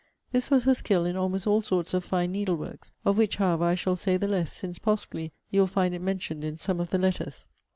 This was her skill in almost all sorts of fine needleworks; of which, however, I shall say the less, since possibly you will find it mentioned in some of the letters.